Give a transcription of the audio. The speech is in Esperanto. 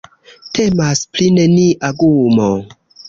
Temas pri nenia gumo.